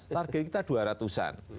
target kita dua ratus an